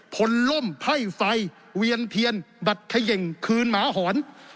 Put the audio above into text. พลล่มไพ่ไฟเวียนเพียนบัตรเขย่งคืนหมาหอน